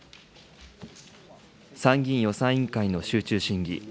参議院予算委員会の集中審議。